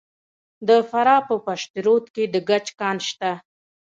د فراه په پشت رود کې د ګچ کان شته.